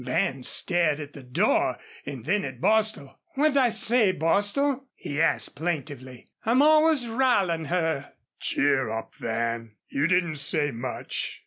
Van stared at the door and then at Bostil. "What'd I say, Bostil?" he asked, plaintively. "I'm always r'ilin' her." "Cheer up, Van. You didn't say much.